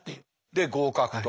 で合格と。